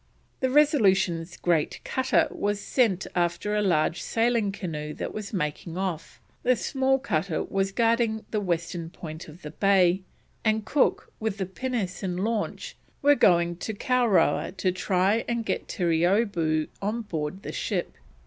The Resolution's great cutter was sent after a large sailing canoe that was making off, the small cutter was guarding the western point of the bay, and Cook, with the pinnace and launch, were going to Kowrowa to try and get Terreeoboo on board the ship.